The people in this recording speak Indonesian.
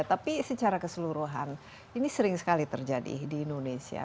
tapi secara keseluruhan ini sering sekali terjadi di indonesia